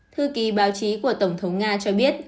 thư ký báo chí của tổng thống nga cho biết